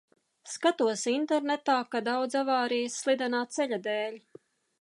Skatos internetā, ka daudz avārijas slidenā ceļa dēļ.